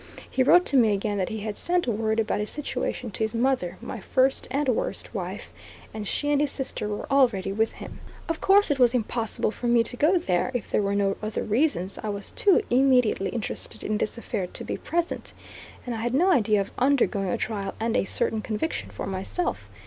He wrote to me again that he had sent word about his situation to his mother my first and worst wife and she and his sister were already with him. Of course it was impossible for me to go there, if there were no other reasons, I was too immediately interested in this affair to be present, and I had no idea of undergoing a trial and a certain conviction for myself.